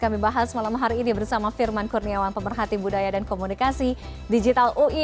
kami bahas malam hari ini bersama firman kurniawan pemerhati budaya dan komunikasi digital ui